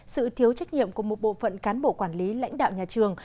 sự thiếu trách nhiệm của một bộ phận cán bộ quản lý lãnh đạo nhà trường